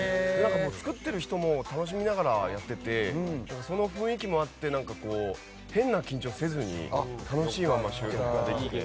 作っている人も楽しみながらやっていてその雰囲気もあって変な緊張せずに楽しいまま収録ができて。